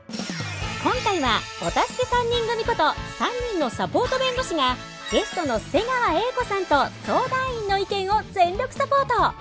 今回はお助け３人組こと３人のサポート弁護士がゲストの瀬川瑛子さんと相談員の意見を全力サポート。